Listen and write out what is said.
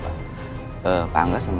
ibu andin punya bukit atlantan buat siapa nih